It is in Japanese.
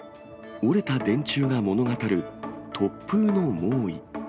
折れた電柱が物語る、突風の猛威。